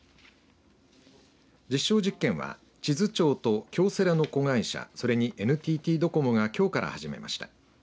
実証実験は智頭町と京セラの子会社それにＮＴＴドコモがきょうから始めました。